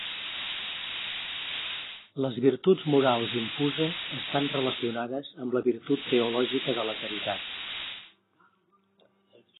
Les virtuts morals infuses estan relacionades amb la virtut teològica de la Caritat.